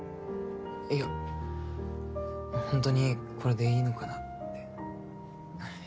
いやホントにこれでいいのかなって。